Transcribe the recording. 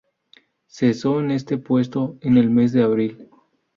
Cesó en este puesto en el mes de abril.